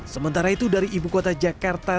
sementara itu dari ibu kota jakarta